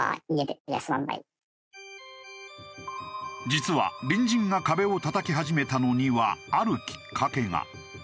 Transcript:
実は隣人が壁をたたき始めたのにはあるきっかけが。